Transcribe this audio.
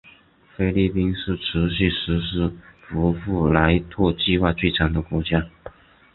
菲律宾是持续实施福布莱特计划最长的国家。